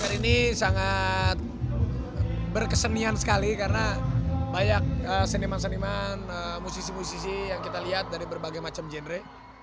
di sini sangat berkesenian sekali karena banyak seniman seniman musisi musisi yang kita lihat dari berbagai macam genre